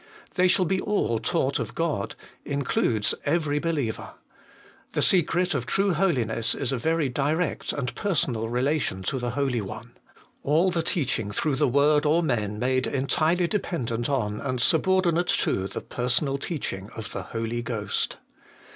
'They shall be all taught of God,' includes every believer. The secret of true holiness is a very direct and personal relation to the Holy One : all the teaching through the word or men made entirely dependent on and subordinate to the personal teaching of the Holy Ghost.